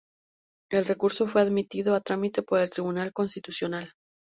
El recurso fue admitido a trámite por el Tribunal Constitucional.